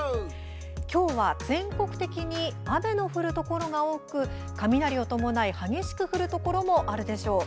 今日は全国的に雨の降るところが多く雷を伴い激しく降るところもあるでしょう。